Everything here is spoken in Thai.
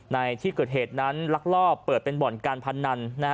ในที่เกิดเหตุนั้นลักลอบเปิดเป็นบ่อนการพนัน